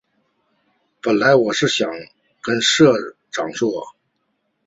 本来我是想跟社长说